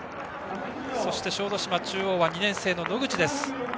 小豆島中央は２年生の野口です。